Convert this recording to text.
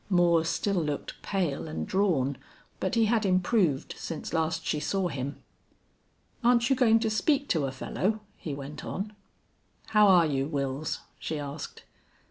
Moore still looked pale and drawn, but he had improved since last she saw him. "Aren't you going to speak to a fellow?" he went on. "How are you, Wils?" she asked.